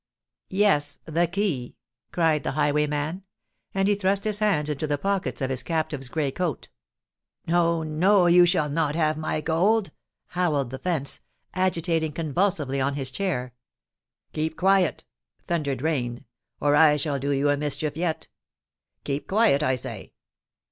"Yes—the key!" cried the highwayman; and he thrust his hands into the pockets of his captive's grey coat. "No—no: you shall not have my gold!" howled the fence, agitating convulsively on his chair. "Keep quiet!" thundered Rain; "or I shall do you a mischief yet! Keep quiet, I say.